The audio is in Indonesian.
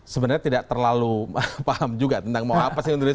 sebenarnya tidak terlalu paham juga tentang mau apa